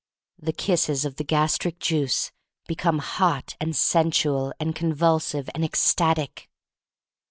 The kisses of the gastric juice become hot and sensual and convulsive and ec static.